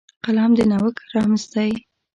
قلم د نوښت رمز دی